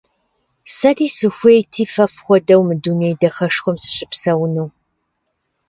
Сэри сыхуейти фэ фхуэдэу мы дуней дахэшхуэм сыщыпсэуну.